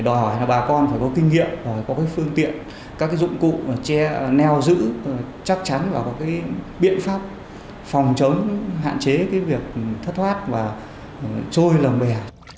đòi hỏi bà con phải có kinh nghiệm có phương tiện các dụng cụ neo giữ chắc chắn và có biện pháp phòng chống hạn chế việc thất thoát và trôi lồng bè